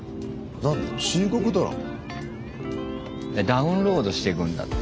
ダウンロードしていくんだって。